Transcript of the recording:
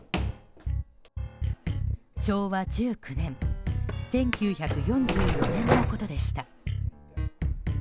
昭和１９年、１９４４年のことでした。